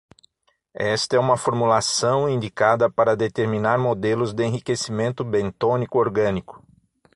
Esta é uma formulação indicada para determinar modelos de enriquecimento bentônico orgânico.